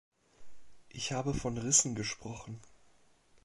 Ich habe von Rissen gesprochen.